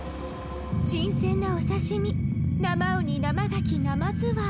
新鮮なお刺し身生ウニ生ガキ生ズワイ。